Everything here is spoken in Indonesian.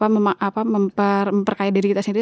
memperkaya diri kita sendiri